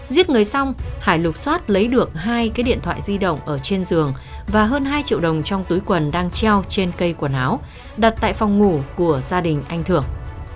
giết người xong hải lục xoát lấy được hai cái điện thoại di động ở trên giường và hơn hai triệu đồng trong túi quần đang treo trên cây quần áo đặt tại phòng ngủ của gia đình anh thưởng